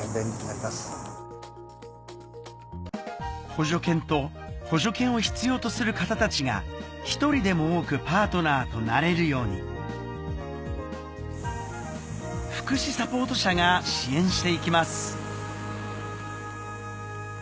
補助犬と補助犬を必要とする方たちが一人でも多くパートナーとなれるように福祉サポート車が支援していきます